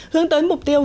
hướng tới mục tiêu